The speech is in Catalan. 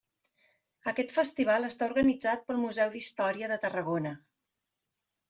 Aquest festival està organitzat pel Museu d'Història de Tarragona.